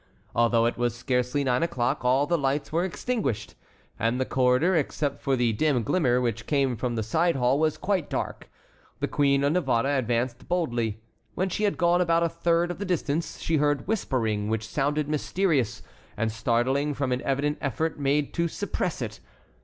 Although it was scarcely nine o'clock, all the lights were extinguished, and the corridor, except for the dim glimmer which came from the side hall, was quite dark. The Queen of Navarre advanced boldly. When she had gone about a third of the distance she heard whispering which sounded mysterious and startling from an evident effort made to suppress it.